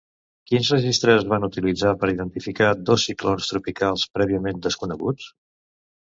Quins registres es van utilitzar per identificar dos ciclons tropicals prèviament desconeguts?